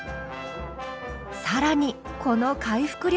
更にこの回復力。